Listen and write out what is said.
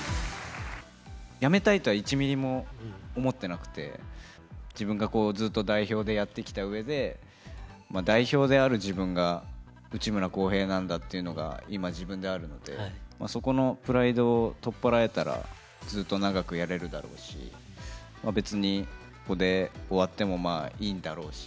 やめたいとは１ミリも思ってなくて、自分がずっと代表でやってきたうえで、代表である自分が内村航平なんだっていうのが今、自分であるので、そこのプライドを取っ払えたら、ずっと長くやれるだろうし、別にここで終わってもまあ、いいんだろうし。